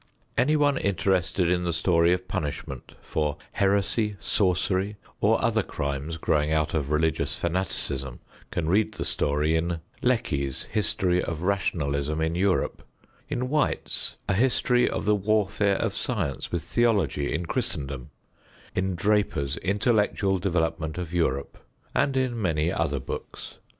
Anyone interested in the story of punishment for heresy, sorcery or other crimes growing out of religious fanaticism, can read the story in Lecky's History of Rationalism in Europe, in White's A History of the Warfare of Science with Theology in Christendom, in Draper's Intellectual Development of Europe, and in many other books.